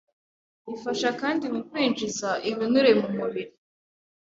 ifasha kandi mu kwinjiza ibinure mu mubiri